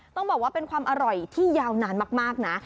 ต้องบอกว่าเป็นความอร่อยที่ยาวนานมากนะ